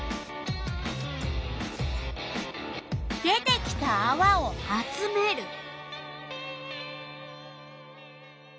出てきたあわを集める。